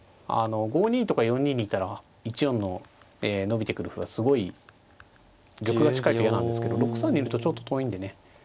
５二とか４二にいたら１四の伸びてくる歩はすごい玉が近いと嫌なんですけど６三にいるとちょっと遠いんでね。